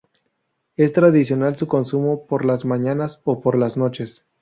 Es tradicional su consumo por las mañanas o por las noches.